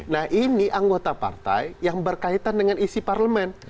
nah ini anggota partai yang berkaitan dengan isi parlemen